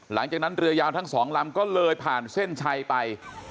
หลังจากนั้นเรือยาวทั้งสองลำก็เลยผ่านเส้นชัยไป